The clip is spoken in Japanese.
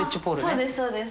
そうですそうです。